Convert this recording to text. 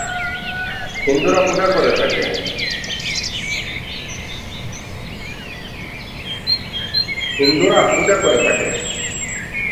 হিন্দুরা সকল পূজা করে থাকে।